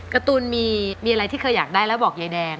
การ์ตูนมีอะไรที่เคยอยากได้แล้วบอกยายแดง